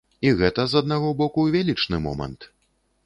І гэта, з аднаго боку, велічны момант.